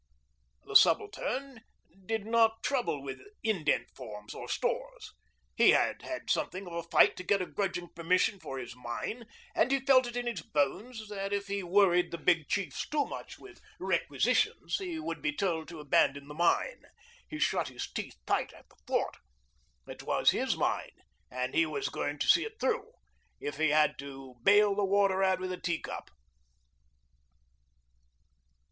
The Subaltern did not trouble with indent forms or stores. He had had something of a fight to get a grudging permission for his mine, and he felt it in his bones that if he worried the big chiefs too much with requisitions he would be told to abandon the mine. He shut his teeth tight at the thought. It was his mine and he was going to see it through, if he had to bale the water out with a tea cup.